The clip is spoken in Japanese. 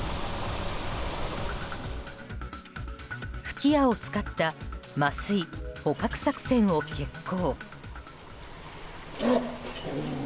吹き矢を使った麻酔・捕獲作戦を決行。